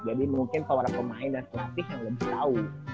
jadi mungkin para pemain dan pelatih yang lebih tau